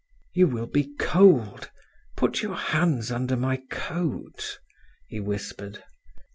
"You will be cold. Put your hands under my coat," he whispered.